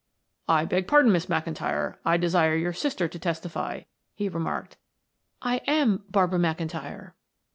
"I beg pardon, Miss McIntyre, I desire your sister to testify," he remarked. "I am Barbara McIntyre."